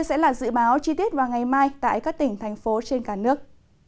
sẽ là dự báo chi tiết vào ngày mai tại các tỉnh thành phố trên cả nước